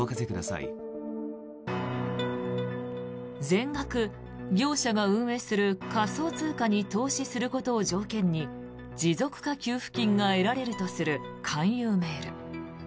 全額、業者が運営する仮想通貨に投資することを条件に持続化給付金が得られるとする勧誘メール。